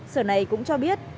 sở này cũng cho biết